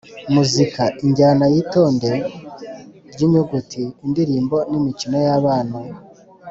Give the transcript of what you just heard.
Muzika: injyana y’itonde ry’inyuguti, indirimbo n’imikino y’abana.